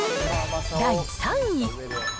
第３位。